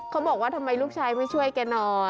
เขาบอกว่าทำไมลูกชายไม่ช่วยแกหน่อย